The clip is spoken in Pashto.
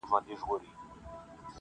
له کماله یې خواږه انګور ترخه کړه.